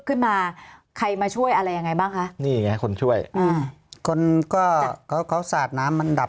ขึ้นมาใครมาช่วยอะไรยังไงบ้างคะนี่ไงคนช่วยอ่าคนก็เขาเขาสาดน้ำมันดับ